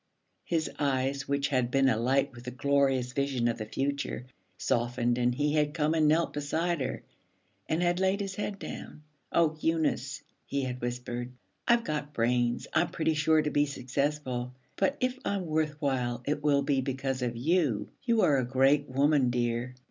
his eyes, which had been alight with the glorious vision of the future, softened, and he had come and knelt beside her and had laid his head down. 'Oh, Eunice,' he had whispered, 'I've got brains; I'm pretty sure to be successful; but if I'm worth while, it will be because of you. You are a great woman, dear.'